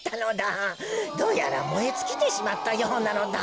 どうやらもえつきてしまったようなのだ。